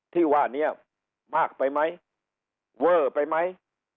ที่ว่านี้มากไปไหมเวอร์ไปไหม